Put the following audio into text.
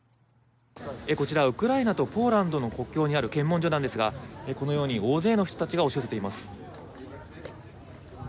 こちらウクライナとポーランドの国境にある検問所なんですがこのように大勢の人たちが押し寄せています。